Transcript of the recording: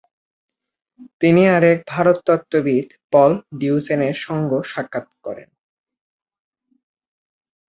তিনি আরেক ভারততত্ত্ববিদ পল ডিউসেনের সঙ্গ সাক্ষাৎ করেন।